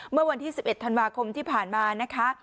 เมื่อวันที่๑๑ธันวาคมที่ผ่านมานะคะ